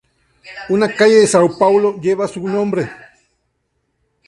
Una calle de São Paulo lleva su nombre.